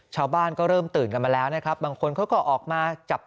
ชาวบ้านก็เริ่มตื่นกันมาแล้วนะครับบางคนเขาก็ออกมาจับ